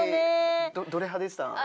どれ派でした？